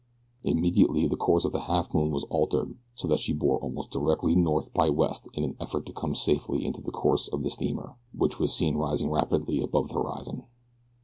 Immediately the course of the Halfmoon was altered so that she bore almost directly north by west in an effort to come safely into the course of the steamer which was seen rising rapidly above the horizon.